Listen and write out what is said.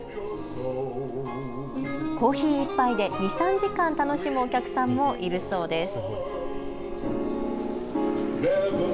コーヒー１杯で２、３時間楽しむお客さんもいるそうです。